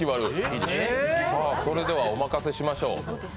それではお任せしましょう。